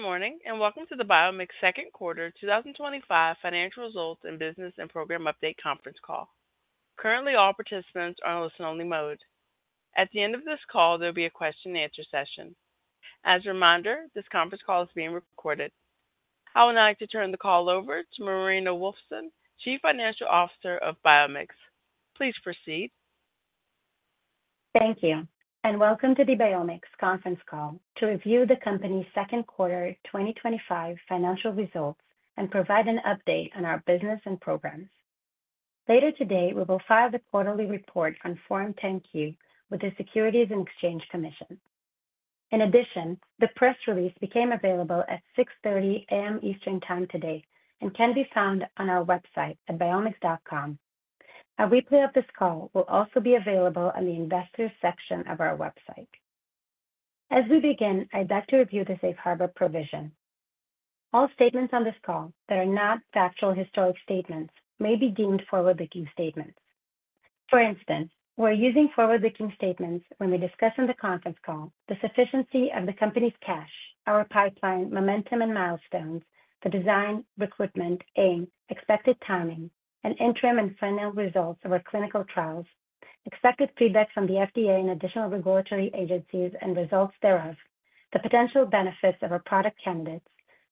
Good morning and welcome to the BiomX Second Quarter 2025 Financial Results and Business and Program Update Conference Call. Currently, all participants are in a listen-only mode. At the end of this call, there will be a question-and-answer session. As a reminder, this conference call is being recorded. I would now like to turn the call over to Marina Wolfson, Chief Financial Officer of BiomX. Please proceed. Thank you, and welcome to the BiomX conference call to review the company's Second Quarter 2025 Financial Results and provide an update on our business and programs. Later today, we will file the quarterly report on Form 10-Q with the Securities and Exchange Commission. In addition, the press release became available at 6:30 A.M. Eastern Time today and can be found on our website at biomx.com. A replay of this call will also be available on the Investors Section of our website. As we begin, I'd like to review the safe harbor provision. All statements on this call that are not factual historic statements may be deemed forward-looking statements. For instance, we're using forward-looking statements when we discuss in the conference call the sufficiency of the company's cash, our pipeline momentum and milestones, the design, recruitment, aim, expected timing, and interim and final results of our clinical trials, expected feedback from the FDA and additional regulatory agencies and results thereof, the potential benefits of our product candidates,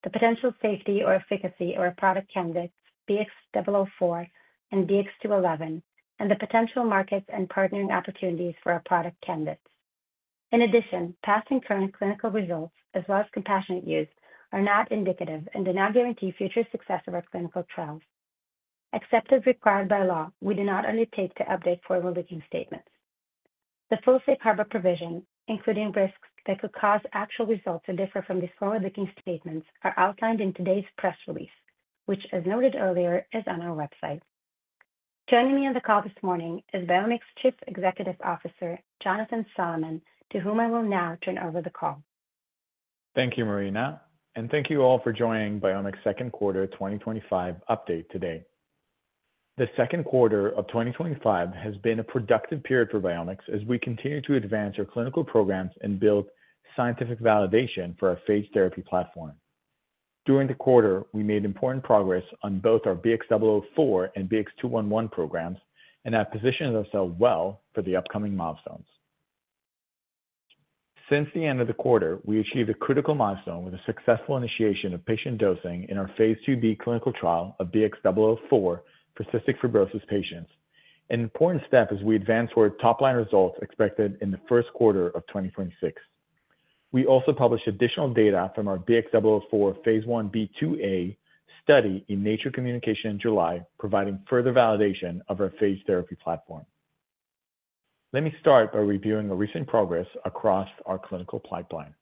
the potential safety or efficacy of our product candidates, BX004 and BX211, and the potential markets and partnering opportunities for our product candidates. In addition, past and current clinical results, as well as compassionate use, are not indicative and do not guarantee future success of our clinical trials. Except as required by law, we do not undertake to update forward-looking statements. The full safe harbor provision, including risks that could cause actual results to differ from these forward-looking statements, are outlined in today's press release, which, as noted earlier, is on our website. Joining me on the call this morning is BiomX Chief Executive Officer Jonathan Solomon, to whom I will now turn over the call. Thank you, Marina, and thank you all for joining BiomX's Second Quarter 2025 Update today. The second quarter of 2025 has been a productive period for BiomX as we continue to advance our clinical programs and build scientific validation for our phage therapy platform. During the quarter, we made important progress on both our BX004 and BX211 programs and have positioned ourselves well for the upcoming milestones. Since the end of the quarter, we achieved a critical milestone with a successful initiation of patient dosing in our Phase 2B clinical trial of BX004 for cystic fibrosis patients, an important step as we advance toward top-line results expected in the first quarter of 2026. We also published additional data from our BX004 Phase IB/IIA study in Nature Communications in July, providing further validation of our phage therapy platform. Let me start by reviewing the recent progress across our clinical pipeline.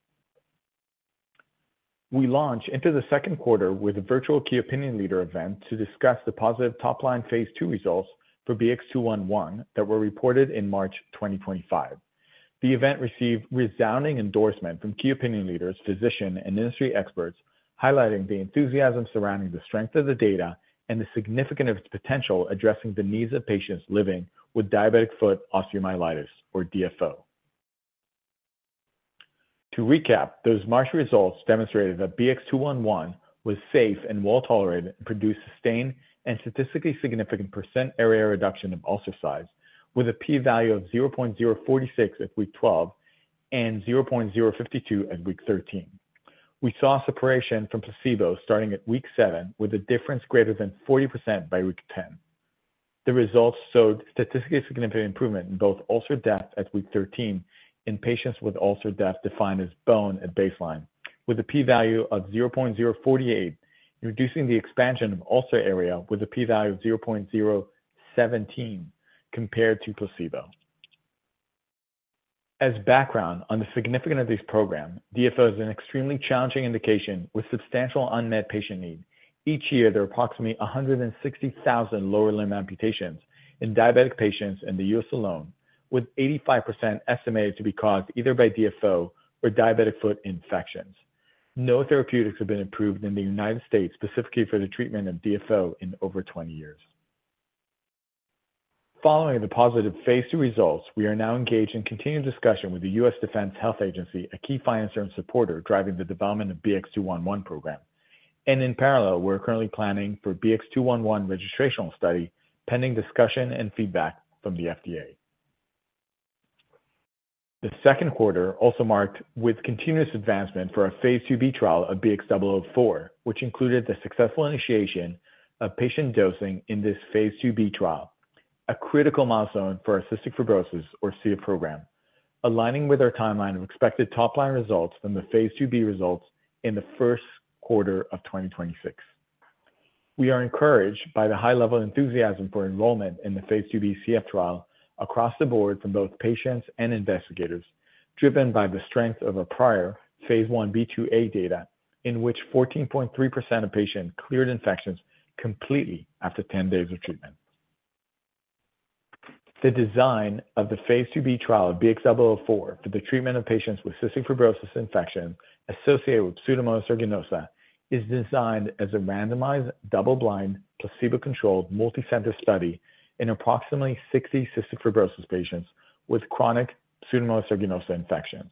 We launched into the second quarter with a virtual Key Opinion Leader event to discuss the positive top-line Phase I results for BX211 that were reported in March 2025. The event received resounding endorsement from key opinion leaders, physicians, and industry experts, highlighting the enthusiasm surrounding the strength of the data and the significant potential addressing the needs of patients living with diabetic foot osteomyelitis, or DFO. To recap, those March results demonstrated that BX211 was safe and well tolerated and produced sustained and statistically significant % area reduction of ulcer size, with a p-value of 0.046 at week 12 and 0.052 at week 13. We saw separation from placebo starting at week 7, with a difference greater than 40% by week 10. The results showed statistically significant improvement in both ulcer depth at week 13 in patients with ulcer depth defined as bone at baseline, with a p-value of 0.048, reducing the expansion of ulcer area with a p-value of 0.017 compared to placebo. As background on the significance of this program, DFO is an extremely challenging indication with substantial unmet patient need. Each year, there are approximately 160,000 lower limb amputations in diabetic patients in the United States alone, with 85% estimated to be caused either by DFO or diabetic foot infections. No therapeutics have been approved in the United States specifically for the treatment of DFO in over 20 years. Following the positive Phase II results, we are now engaged in continued discussion with the U.S. Defense Health Agency, a key financier and supporter driving the development of the BX211 program. In parallel, we're currently planning for the BX211 registrational study, pending discussion and feedback from the FDA. The second quarter also marked continuous advancement for our Phase IIB trial of BX004, which included the successful initiation of patient dosing in this Phase IIB trial, a critical milestone for our cystic fibrosis, or CF, program, aligning with our timeline of expected top-line results from the Phase IIB results in the first quarter of 2026. We are encouraged by the high-level enthusiasm for enrollment in the Phase IIB CF trial across the board from both patients and investigators, driven by the strength of our prior Phase IB/IIA data, in which 14.3% of patients cleared infections completely after 10 days of treatment. The design of the Phase IIB trial of BX004 for the treatment of patients with cystic fibrosis infection associated with Pseudomonas aeruginosa is designed as a randomized, double-blind, placebo-controlled multicenter study in approximately 60 cystic fibrosis patients with chronic Pseudomonas aeruginosa infections.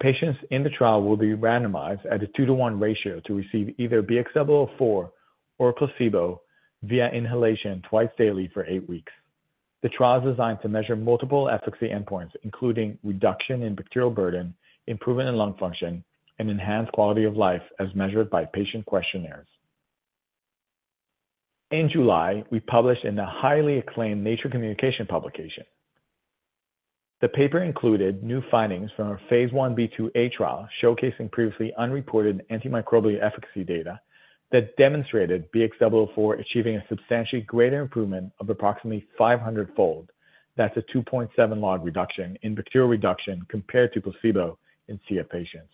Patients in the trial will be randomized at a 2:1 ratio to receive either BX004 or placebo via inhalation twice daily for eight weeks. The trial is designed to measure multiple efficacy endpoints, including reduction in bacterial burden, improvement in lung function, and enhanced quality of life, as measured by patient questionnaires. In July, we published in a highly acclaimed Nature Communications publication. The paper included new findings from our Phase IB/IIA trial, showcasing previously unreported antimicrobial efficacy data that demonstrated BX004 achieving a substantially greater improvement of approximately 500-fold. That's a 2.7 log reduction in bacterial reduction compared to placebo in CF patients.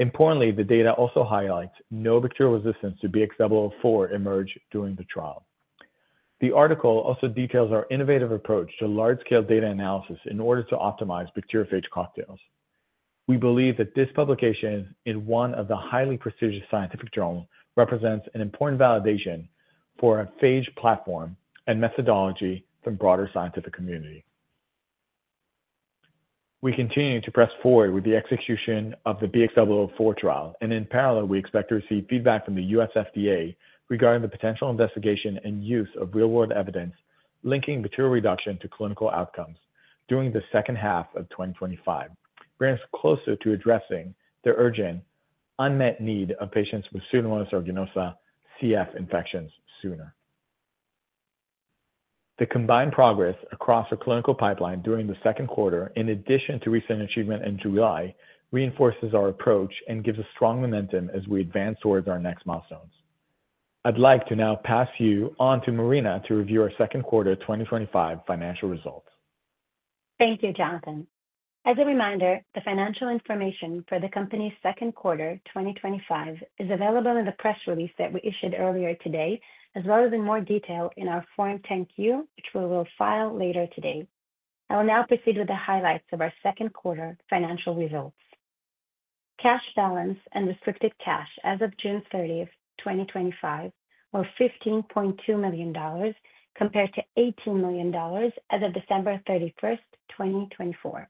Importantly, the data also highlights no bacterial resistance to BX004 emerged during the trial. The article also details our innovative approach to large-scale data analysis in order to optimize bacteriophage cocktails. We believe that this publication in one of the highly prestigious scientific journals represents an important validation for a phage therapy platform and methodology from the broader scientific community. We continue to press forward with the execution of the BX004 trial, and in parallel, we expect to receive feedback from the U.S. FDA regarding the potential investigation and use of real-world evidence linking bacterial reduction to clinical outcomes during the second half of 2025, branched closer to addressing the urgent unmet need of patients with Pseudomonas aeruginosa CF infections sooner. The combined progress across our clinical pipeline during the second quarter, in addition to recent achievement in July, reinforces our approach and gives us strong momentum as we advance towards our next milestones. I'd like to now pass you on to Marina to review our Second Quarter 2025 Financial Results. Thank you, Jonathan. As a reminder, the financial information for the company's second quarter 2025 is available in the press release that we issued earlier today, as well as in more detail in our Form 10-Q, which we will file later today. I will now proceed with the highlights of our Second Quarter Financial Results. Cash balance and restricted cash as of June 30, 2025, were $15.2 million compared to $18 million as of December 31, 2024.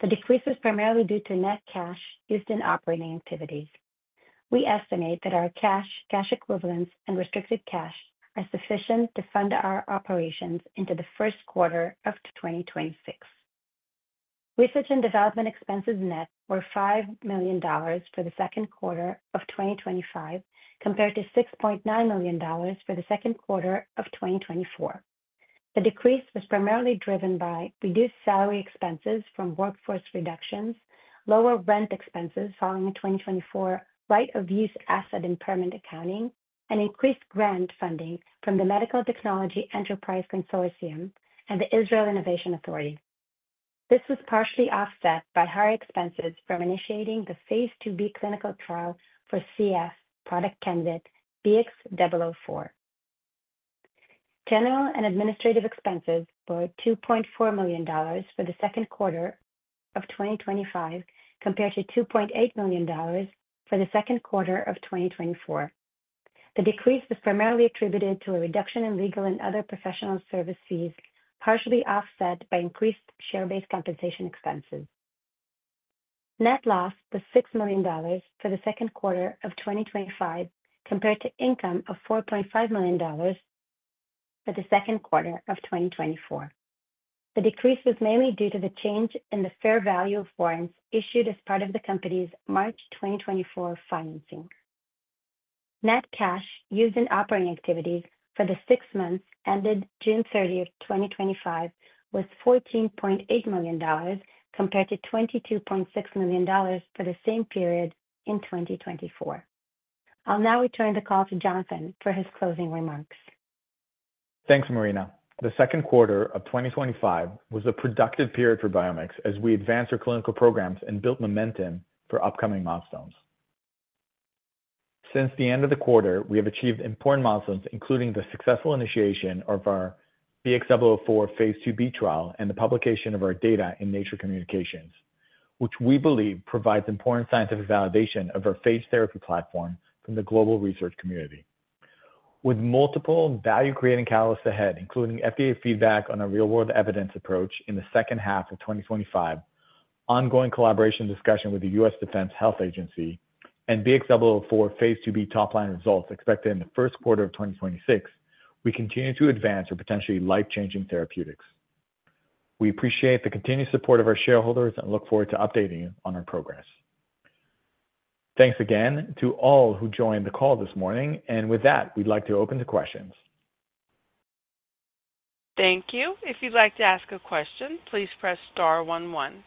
The decrease was primarily due to net cash used in operating activities. We estimate that our cash, cash equivalents, and restricted cash are sufficient to fund our operations into the first quarter of 2026. Research and development expenses net were $5 million for the second quarter of 2025, compared to $6.9 million for the second quarter of 2024. The decrease was primarily driven by reduced salary expenses from workforce reductions, lower rent expenses following the 2024 Right of Use Asset Impairment Accounting, and increased grant funding from the Medical Technology Enterprise Consortium and the Israel Innovation Authority. This was partially offset by higher expenses from initiating the Phase IIB clinical trial for cystic fibrosis product candidate BX004. General and administrative expenses were $2.4 million for the second quarter of 2025, compared to $2.8 million for the second quarter of 2024. The decrease was primarily attributed to a reduction in legal and other professional service fees, partially offset by increased share-based compensation expenses. Net loss was $6 million for the second quarter of 2025, compared to income of $4.5 million for the second quarter of 2024. The decrease was mainly due to the change in the fair value of warrants issued as part of the company's March 2024 financing. Net cash used in operating activities for the six months ended June 30, 2025, was $14.8 million, compared to $22.6 million for the same period in 2024. I'll now return the call to Jonathan for his closing remarks. Thanks, Marina. The second quarter of 2025 was a productive period for BiomX as we advanced our clinical programs and built momentum for upcoming milestones. Since the end of the quarter, we have achieved important milestones, including the successful initiation of our BX004 Phase IIB trial and the publication of our data in Nature Communications, which we believe provides important scientific validation of our phage therapy platform from the global research community. With multiple value-creating catalysts ahead, including FDA feedback on a real-world evidence approach in the second half of 2025, ongoing collaboration discussion with the U.S. Defense Health Agency, and BX004 Phase IIB top-line results expected in the first quarter of 2026, we continue to advance our potentially life-changing therapeutics. We appreciate the continued support of our shareholders and look forward to updating you on our progress. Thanks again to all who joined the call this morning, and with that, we'd like to open to questions. Thank you. If you'd like to ask a question, please press star one one.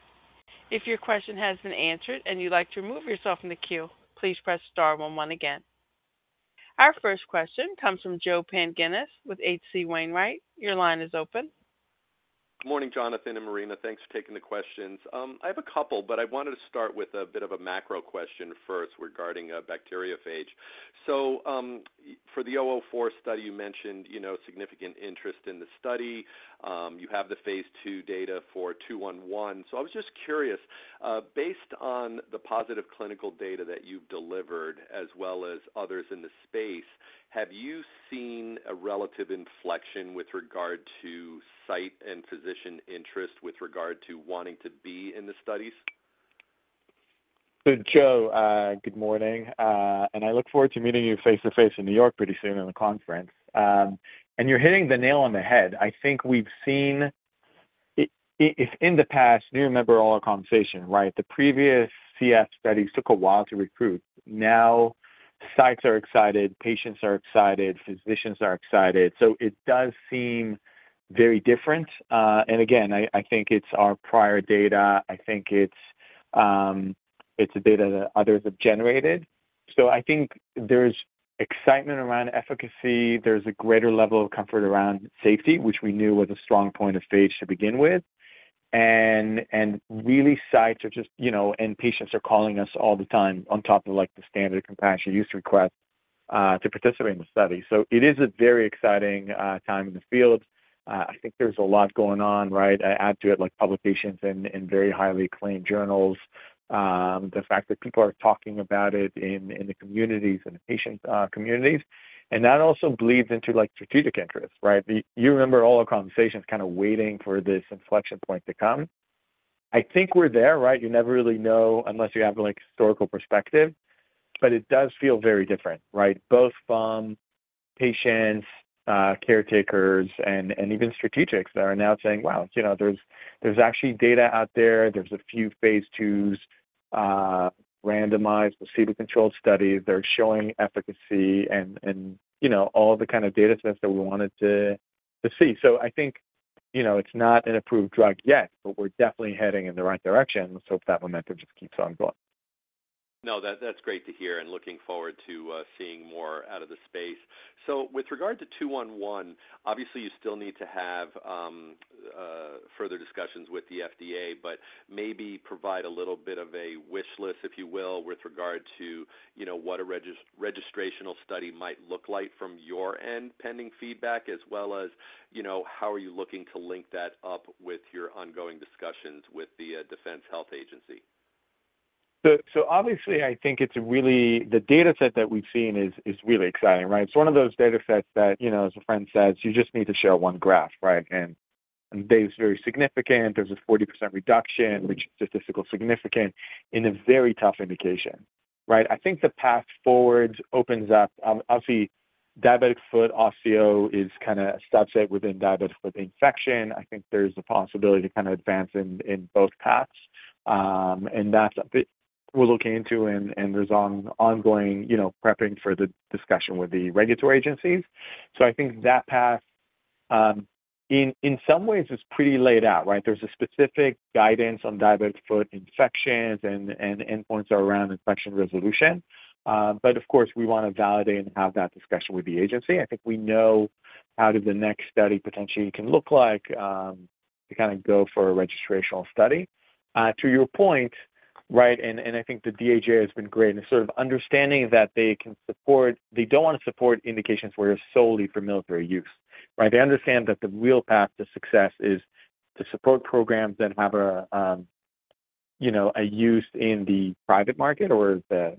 If your question has been answered and you'd like to remove yourself from the queue, please press star one one again. Our first question comes from Joe Pantginis with H.C. Wainwright. Your line is open. Morning, Jonathan and Marina. Thanks for taking the questions. I have a couple, but I wanted to start with a bit of a macro question first regarding bacteriophage. For the 004 study, you mentioned significant interest in the study. You have the Phase II data for 211. I was just curious, based on the positive clinical data that you've delivered, as well as others in the space, have you seen a relative inflection with regard to site and physician interest with regard to wanting to be in the studies? Joe, good morning. I look forward to meeting you face-to-face in New York pretty soon at the conference. You're hitting the nail on the head. I think we've seen, if in the past, you remember all our conversations, right? The previous cystic fibrosis studies took a while to recruit. Now, sites are excited, patients are excited, physicians are excited. It does seem very different. I think it's our prior data. I think it's the data that others have generated. There's excitement around efficacy. There's a greater level of comfort around safety, which we knew was a strong point of phage to begin with. Sites are just, you know, and patients are calling us all the time on top of the standard compassionate use request to participate in the study. It is a very exciting time in the field. I think there's a lot going on, right? I add to it publications in very highly acclaimed journals, the fact that people are talking about it in the communities and the patient communities. That also bleeds into strategic interest, right? You remember all our conversations kind of waiting for this inflection point to come. I think we're there, right? You never really know unless you have historical perspective. It does feel very different, right? Both from patients, caretakers, and even strategics that are now saying, wow, there's actually data out there. There's a few Phase II, randomized, placebo-controlled studies that are showing efficacy and all the kind of data sets that we wanted to see. I think it's not an approved drug yet, but we're definitely heading in the right direction. Let's hope that momentum just keeps on going. That's great to hear and looking forward to seeing more out of the space. With regard to 211, obviously, you still need to have further discussions with the U.S. Food and Drug Administration, but maybe provide a little bit of a wish list, if you will, with regard to what a registrational study might look like from your end pending feedback, as well as how are you looking to link that up with your ongoing discussions with the U.S. Defense Health Agency? Obviously, I think it's really, the data set that we've seen is really exciting, right? It's one of those data sets that, you know, as a friend says, you just need to show one graph, right? The data is very significant. There's a 40% reduction, which is statistically significant in a very tough indication, right? I think the path forward opens up. Diabetic foot osteo is kind of a subset within diabetic foot infection. I think there's the possibility to kind of advance in both paths. That's what we're looking into. There's ongoing prepping for the discussion with the regulatory agencies. I think that path, in some ways, is pretty laid out, right? There's a specific guidance on diabetic foot infections and endpoints around infection resolution. Of course, we want to validate and have that discussion with the agency. I think we know how the next study potentially can look like to kind of go for a registrational study. To your point, right, I think the DHA has been great in sort of understanding that they can support, they don't want to support indications where it's solely for military use, right? They understand that the real path to success is to support programs that have a, you know, a use in the private market or the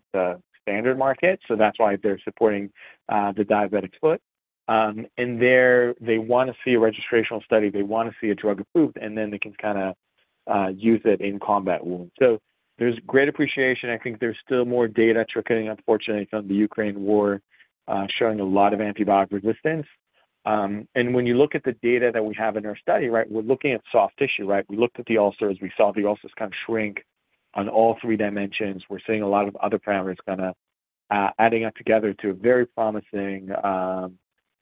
standard market. That's why they're supporting the diabetic foot. They want to see a registrational study. They want to see a drug approved, and then they can kind of use it in combat wounds. There's great appreciation. I think there's still more data trickling, unfortunately, from the Ukraine war, showing a lot of antibiotic resistance. When you look at the data that we have in our study, right, we're looking at soft tissue, right? We looked at the ulcers. We saw the ulcers kind of shrink on all three dimensions. We're seeing a lot of other parameters kind of adding up together to a very promising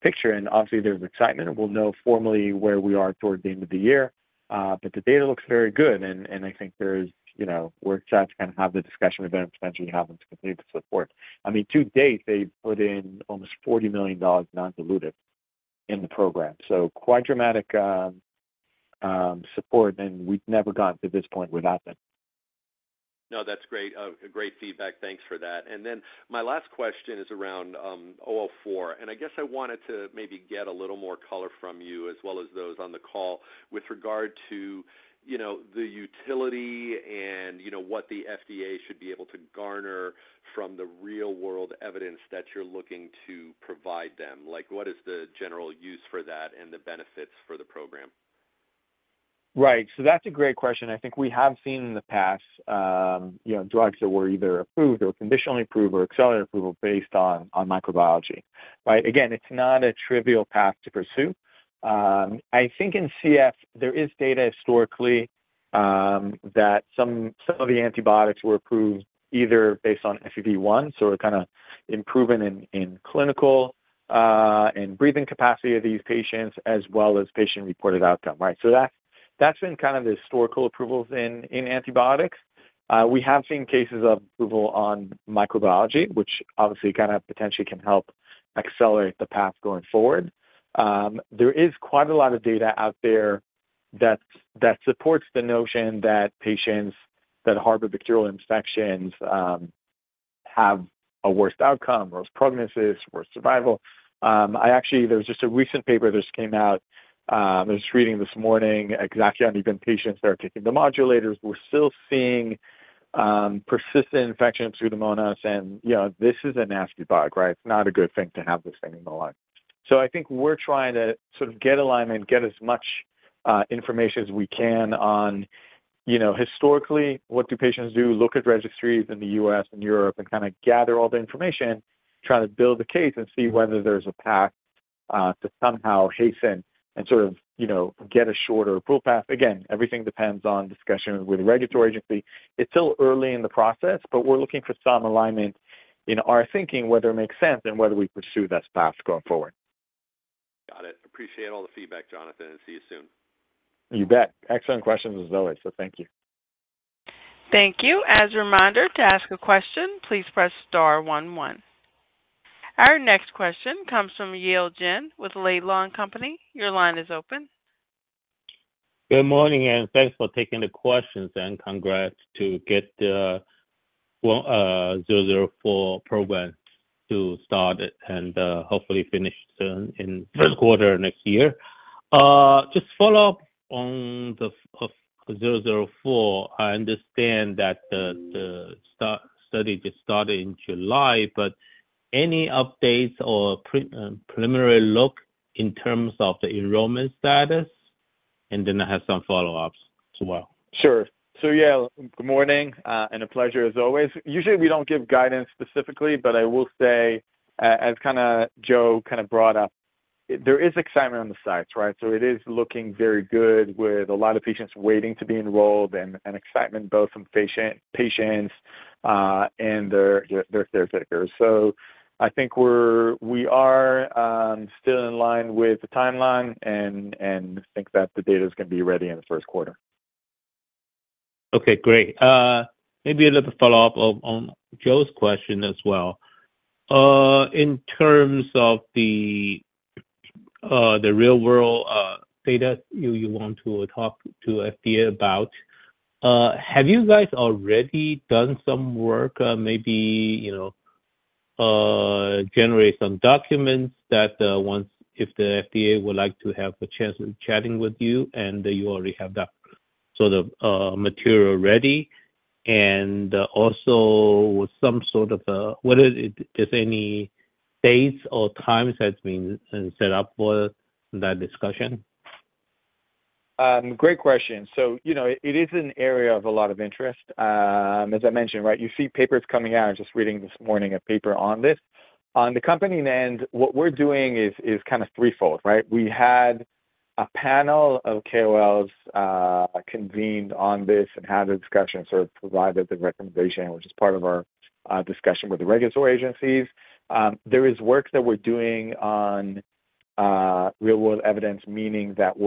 picture. Obviously, there's excitement. We'll know formally where we are toward the end of the year. The data looks very good. I think there's, you know, we're excited to kind of have the discussion with them and potentially have them to continue to support. I mean, to date, they put in almost $40 million non-dilutive in the program. Quite dramatic support. We'd never gotten to this point without them. No, that's great. Great feedback. Thanks for that. My last question is around 004. I wanted to maybe get a little more color from you, as well as those on the call, with regard to the utility and what the FDA should be able to garner from the real-world evidence that you're looking to provide them. What is the general use for that and the benefits for the program? Right. That's a great question. I think we have seen in the past, you know, drugs that were either approved or conditionally approved or accelerated approval based on microbiology, right? Again, it's not a trivial path to pursue. I think in CF, there is data historically that some of the antibiotics were approved either based on FEV1, so we're kind of improving in clinical and breathing capacity of these patients, as well as patient-reported outcome, right? That's been kind of the historical approvals in antibiotics. We have seen cases of approval on microbiology, which obviously kind of potentially can help accelerate the path going forward. There is quite a lot of data out there that supports the notion that patients that harbor bacterial infections have a worse outcome, worse prognosis, worse survival. There was just a recent paper that just came out. I was just reading this morning exactly on even patients that are taking the modulators. We're still seeing persistent infection of Pseudomonas. This is a nasty bug, right? It's not a good thing to have this thing in the lung. I think we're trying to sort of get alignment, get as much information as we can on, you know, historically, what do patients do? Look at registries in the U.S. and Europe and kind of gather all the information, trying to build a case and see whether there's a path to somehow hasten and sort of, you know, get a shorter approval path. Again, everything depends on discussion with the regulatory agency. It's still early in the process, but we're looking for some alignment in our thinking, whether it makes sense and whether we pursue this path going forward. Got it. Appreciate all the feedback, Jonathan, and see you soon. You bet. Excellent questions as always. Thank you. Thank you. As a reminder, to ask a question, please press star one one. Our next question comes from Yale Jen with Laidlaw & Co. Your line is open. Good morning, and thanks for taking the questions. Congrats to get the BX004 program to start and hopefully finish soon in the first quarter of next year. Just follow up on the BX004. I understand that the study just started in July, but any updates or preliminary look in terms of the enrollment status? I have some follow-ups as well. Sure. Good morning and a pleasure as always. Usually, we don't give guidance specifically, but I will say, as Joe kind of brought up, there is excitement on the sites, right? It is looking very good with a lot of patients waiting to be enrolled and excitement both from patients and their caretakers. I think we are still in line with the timeline and think that the data is going to be ready in the first quarter. Okay, great. Maybe a little follow-up on Joe's question as well. In terms of the real-world data you want to talk to the FDA about, have you guys already done some work, maybe generate some documents that, once, if the FDA would like to have a chance of chatting with you, you already have that sort of material ready? Also, whether there's any dates or times that's been set up for that discussion? Great question. It is an area of a lot of interest. As I mentioned, you see papers coming out. I was just reading this morning a paper on this. On the company land, what we're doing is kind of threefold. We had a panel of KOLs convened on this and had a discussion, sort of provided the recommendation, which is part of our discussion with the regulatory agencies. There is work that we're doing on real-world evidence, meaning that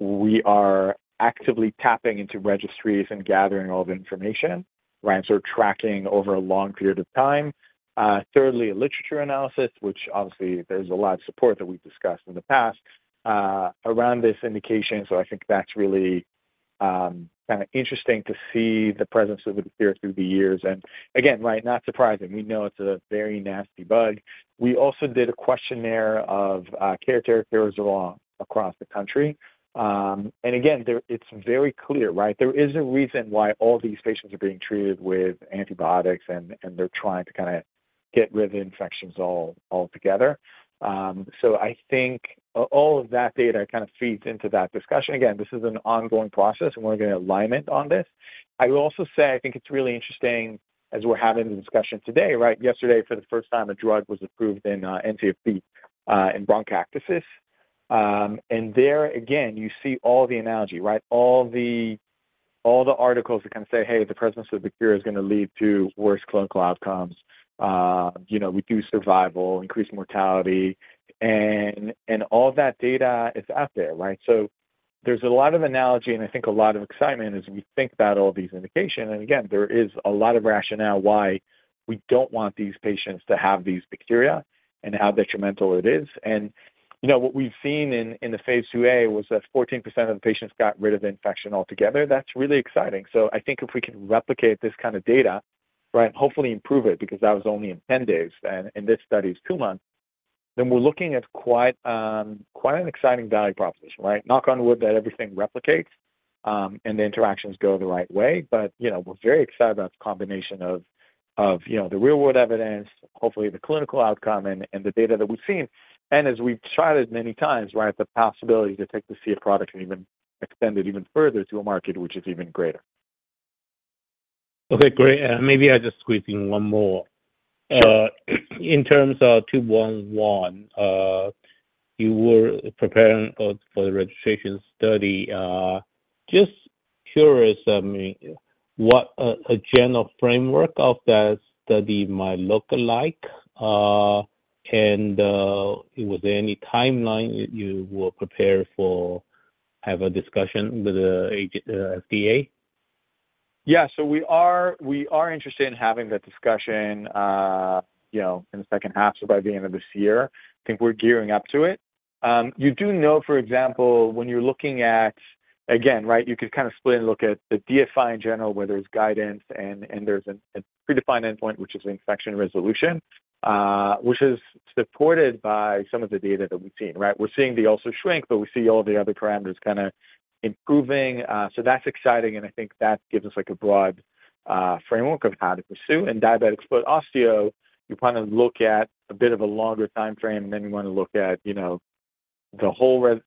we are actively tapping into registries and gathering all the information, tracking over a long period of time. Thirdly, literature analysis, which obviously there's a lot of support that we've discussed in the past around this indication. I think that's really kind of interesting to see the presence of it appear through the years. Again, not surprising. We know it's a very nasty bug. We also did a questionnaire of caretakers across the country. Again, it's very clear. There is a reason why all these patients are being treated with antibiotics and they're trying to get rid of the infections altogether. I think all of that data feeds into that discussion. This is an ongoing process and we're going to alignment on this. I will also say I think it's really interesting as we're having the discussion today. Yesterday, for the first time, a drug was approved in NCOP in bronchiectasis. There again, you see all the analogy. All the articles that say, hey, the presence of the cure is going to lead to worse clinical outcomes, reduce survival, increase mortality, and all that data is out there. There's a lot of analogy and I think a lot of excitement as we think about all these indications. There is a lot of rationale why we don't want these patients to have these bacteria and how detrimental it is. What we've seen in the Phase IIA was that 14% of the patients got rid of the infection altogether. That's really exciting. I think if we can replicate this kind of data, hopefully improve it because that was only in 10 days and in this study is two months, then we're looking at quite an exciting value proposition. Knock on wood that everything replicates and the interactions go the right way. We're very excited about the combination of the real-world evidence, hopefully the clinical outcome, and the data that we've seen. As we've charted many times, the possibility to take the CF product and even extend it even further to a market which is even greater. Okay, great. Maybe I just squeeze in one more. In terms of 211, you were preparing for the registration study. Just curious, I mean, what a general framework of that study might look like? Was there any timeline you were prepared for to have a discussion with the FDA? Yeah, we are interested in having that discussion in the second half. By the end of this year, I think we're gearing up to it. You do know, for example, when you're looking at, again, right, you could kind of split and look at the DFI in general, whether it's guidance and there's a predefined endpoint, which is infection resolution, which is supported by some of the data that we've seen, right? We're seeing the ulcer shrink, but we see all the other parameters kind of improving. That's exciting. I think that gives us a broad framework of how to pursue. In diabetic foot osteo, you kind of look at a bit of a longer timeframe, and then you want to look at the whole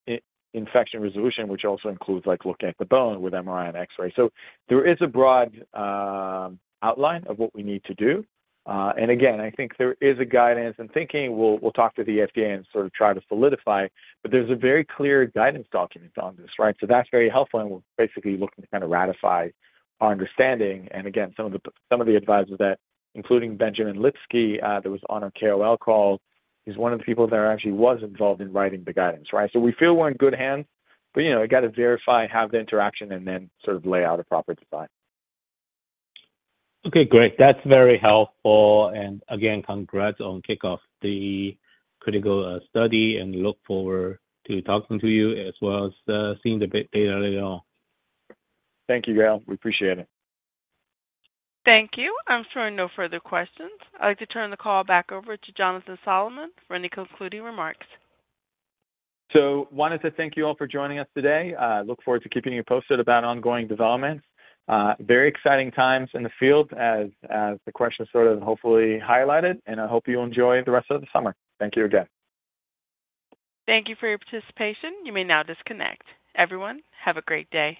infection resolution, which also includes looking at the bone with MRI and X-ray. There is a broad outline of what we need to do.I think there is a guidance and thinking we'll talk to the FDA and sort of try to solidify, but there's a very clear guidance document on this, right? That's very helpful. We're basically looking to ratify our understanding. Some of the advisors, including Benjamin Lipsky, that was on a KOL call, he's one of the people that actually was involved in writing the guidance, right? We feel we're in good hands, but I got to verify, have the interaction, and then sort of lay out a proper design. Okay, great. That's very helpful. Again, congrats on kicking off the critical study. I look forward to talking to you as well as seeing the data later on. Thank you, Yale. We appreciate it. Thank you. I'm sure no further questions. I'd like to turn the call back over to Jonathan Solomon for any concluding remarks. Thank you all for joining us today. I look forward to keeping you posted about ongoing developments. Very exciting times in the field, as the questions sort of hopefully highlighted. I hope you enjoy the rest of the summer. Thank you again. Thank you for your participation. You may now disconnect. Everyone, have a great day.